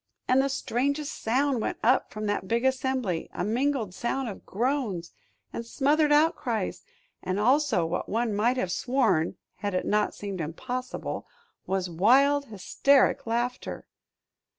And the strangest sound went up from that big assembly, a mingled sound of groans and smothered outcries, and also what one might have sworn had it not seemed impossible was wild hysteric laughter.